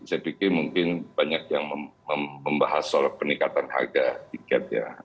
saya pikir mungkin banyak yang membahas soal peningkatan harga tiket ya